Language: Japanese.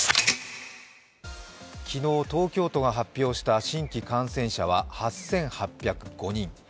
昨日、東京都が発表した新規感染者は８８０５人。